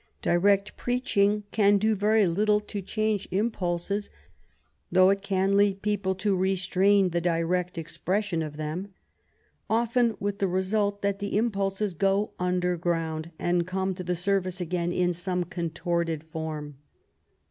Direct preaching can do very little to change impulses, though it can lead people to restrain the direct expression of them, often with the result that the impulses go underground and come to the surface again in some contorted form.